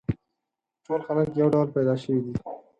ټول خلک یو ډول پیدا شوي دي.